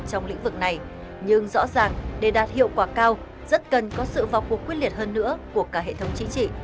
trong lĩnh vực này nhưng rõ ràng để đạt hiệu quả cao rất cần có sự vào cuộc quyết liệt hơn nữa của cả hệ thống chính trị